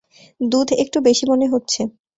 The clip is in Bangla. দুধ একটু বেশি মনে হচ্ছে।